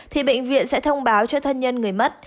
thì bệnh viện sẽ thông báo cho thân nhân người mất